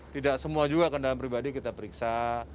tidak semua juga kendaraan pribadi kita periksa